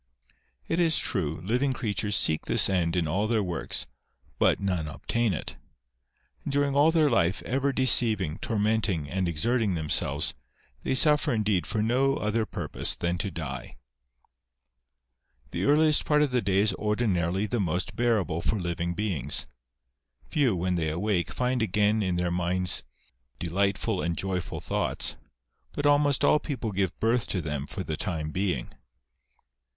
It is true, living creatures seek this end in all their works, but none obtain it ; and during all their life, ever deceiving, tormenting, and exerting themselves, they suffer indeed for no other purpose than to die. " The earliest part of the day is ordinarily the most bearable for living beings. Few, when they awake, find again in their minds delightful and joyful thoughts, but almost all people give birth to them for the time being. 154 THE SONG OF THE WILD COCK.